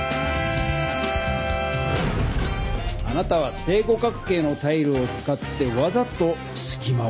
あなたは正五角形のタイルを使ってわざとすきまを見せた。